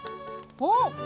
おっ！